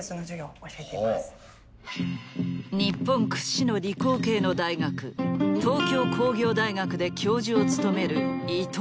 日本屈指の理工系の大学東京工業大学で教授を務める伊藤亜紗。